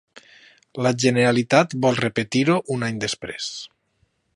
La Generalitat vol repetir-ho un any després.